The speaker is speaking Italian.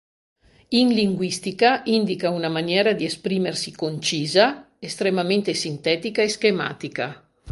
In linguistica indica una maniera di esprimersi concisa, estremamente sintetica e schematica.